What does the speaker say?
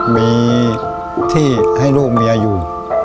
มีที่ให้ลูกเมียอยู่